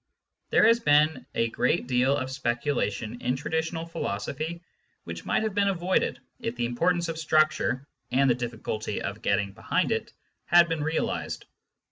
There has been a great deal of speculation in traditional philosophy which might have been avoided if the importance of structure, and the difficulty of getting behind it, had been realised.